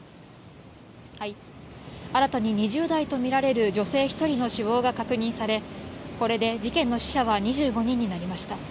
新たに２０代とみられる女性１人の死亡が確認され、これで事件の死者は２５人になりました。